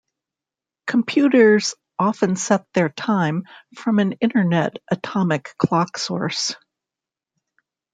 Computers often set their time from an internet atomic clock source.